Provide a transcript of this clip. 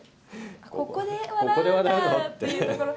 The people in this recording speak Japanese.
ここで笑うんだっていうところ。